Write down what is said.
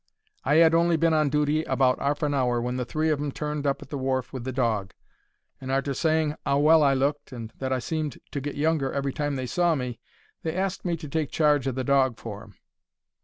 I 'ad on'y been on dooty about arf an hour when the three of 'em turned up at the wharf with the dog, and, arter saying 'ow well I looked and that I seemed to get younger every time they saw me, they asked me to take charge of the dog for 'em.